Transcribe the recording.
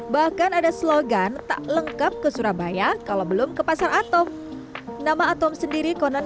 bahkan ada slogan tak lengkap ke surabaya kalau belum ke pasar atom nama atom sendiri konon